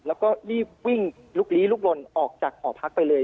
แล้วก็รีบวิ่งลุกลี้ลุกลนออกจากหอพักไปเลย